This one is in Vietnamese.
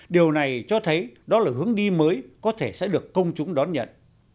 điều này cho thấy đó là hướng đi mới có thể sẽ được công chúng đón nhận